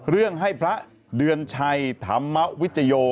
เรื่องให้พระเดือนชัยธรรมวิจโย